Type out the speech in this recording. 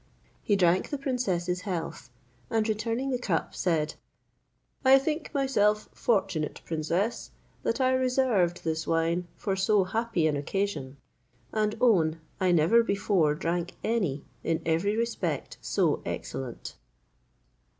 He drank the princess's health, and returning the cup, said, "I think myself fortunate, princess, that I reserved this wine for so happy an occasion; and own I never before drank any in every respect so excellent."